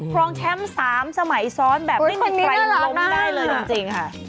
รองแชมป์๓สมัยซ้อนแบบไม่มีใครล้มได้เลยจริงค่ะ